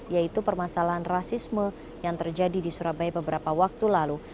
yaitu permasalahan rasisme yang terjadi di surabaya beberapa waktu lalu